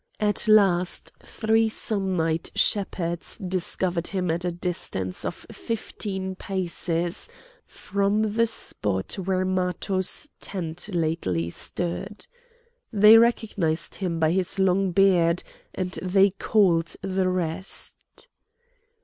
At last three Samnite shepherds discovered him at a distance of fifteen paces from the spot where Matho's tent lately stood. They recognised him by his long beard and they called the rest.